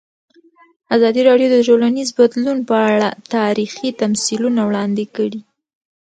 ازادي راډیو د ټولنیز بدلون په اړه تاریخي تمثیلونه وړاندې کړي.